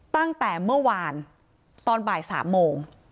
ตั้งแต่เมื่อวานตอนบ่าย๓โมง